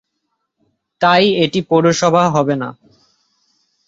তাই এটি পৌরসভা হবে না।